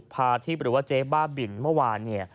พาที่บอกว่าเจ๊บ้าบินเมื่อวาน